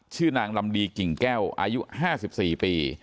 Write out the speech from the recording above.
ชื่อนางลำดีกิ่งแก้วอายุ๕๔ปี